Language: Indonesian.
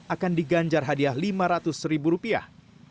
akan diganjar hadiah lima ratus ribu rupiah